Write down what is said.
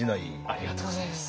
ありがとうございます。